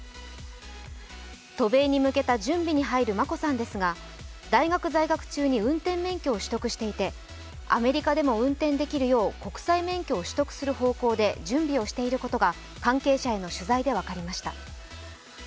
渡米に向けた準備に入る眞子さんですが、大学在学中に運転免許を取得していてアメリカでも運転できるよう国際免許を取得するよう準備をしていることが関係者への取材で分かりました。